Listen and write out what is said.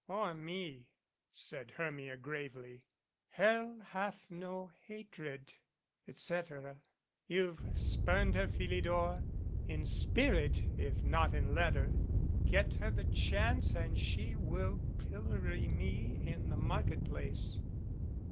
"Or me," said Hermia gravely. "Hell hath no hatred et cetera. You've spurned her, Philidor, in spirit, if not in letter. Get her the chance and she will pillory me in the market place."